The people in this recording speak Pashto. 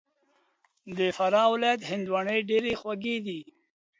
د فراه ولایت هندواڼې ډېري خوږي دي